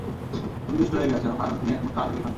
তুমি দুষ্ট হয়ে গেছ, কারণ তুমি একমাত্র আদরের সন্তান।